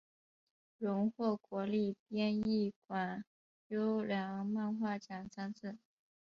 荣获国立编译馆优良漫画奖三次。